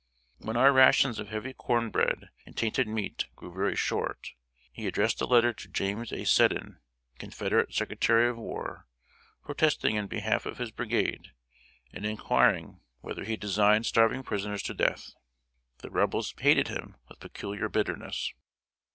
When our rations of heavy corn bread and tainted meat grew very short, he addressed a letter to James A. Seddon, Confederate Secretary of War, protesting in behalf of his brigade, and inquiring whether he designed starving prisoners to death! The Rebels hated him with peculiar bitterness.